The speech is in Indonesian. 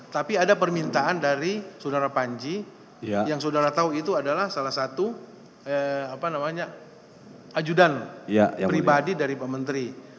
tapi ada permintaan dari saudara panji yang saudara tahu itu adalah salah satu ajudan pribadi dari pak menteri